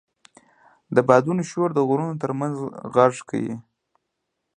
د بادونو شور د غرونو تر منځ غږ کوي.